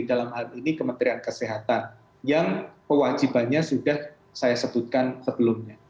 dalam hal ini kementerian kesehatan yang kewajibannya sudah saya sebutkan sebelumnya